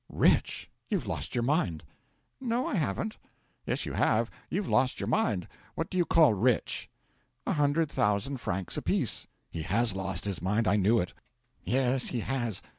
'"Rich! You've lost your mind." '"No, I haven't." '"Yes, you have you've lost your mind. What do you call rich?" '"A hundred thousand francs apiece." '"He has lost his mind. I knew it." '"Yes, he has.